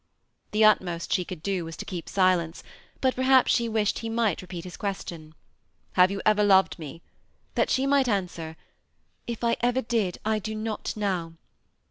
The utmost she could do was to keep silence, but perhaps she wished he might repeat his question, " Have you ever loved me ?" that she might answer, ^ If I ever did, I do not now."